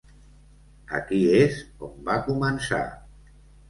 Aquí és on va començar.